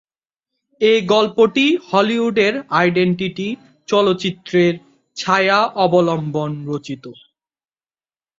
এই গল্পটি হলিউডের "আইডেন্টিটি" চলচ্চিত্রের ছায়া অবলম্বন রচিত।